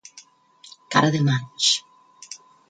Cara de maig.